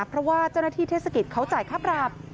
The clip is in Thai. เพราะว่าเจ้าหน้าที่เทศกิจเขาจ่ายค่าปรับ